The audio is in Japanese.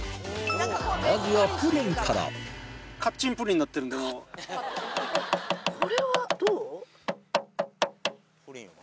まずはプリンからこれはどう？